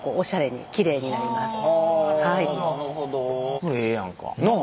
これええやんか。なあ？